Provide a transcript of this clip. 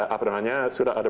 apalagi sudah ada